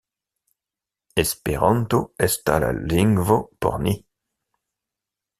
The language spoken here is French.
Esperanto estas la lingvo por ni.